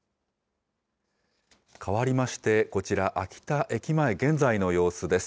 かわりまして、こちら、秋田駅前、現在の様子です。